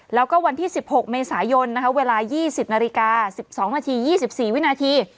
แล้วก็วันที่๑๖เมษายนเวลา๒๐นาฬิกา๑๒นาที๒๔วินาที